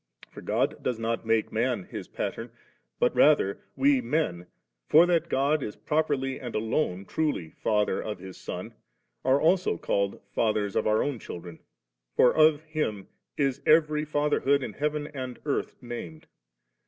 For God does not make man His pattern ; but rather we men, for that God is properly, and alone tnily*, Father of His Son, are also called Others of our own children ; for of Him * is every father hood in heaven and earth named 7.'